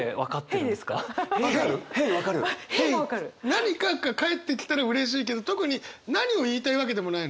何か返ってきたらうれしいけど特に何を言いたいわけでもないの。